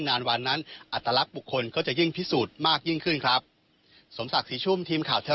โดยเจ้านัท